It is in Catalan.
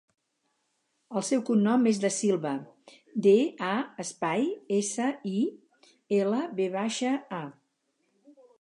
El seu cognom és Da Silva: de, a, espai, essa, i, ela, ve baixa, a.